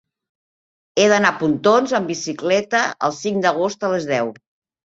He d'anar a Pontons amb bicicleta el cinc d'agost a les deu.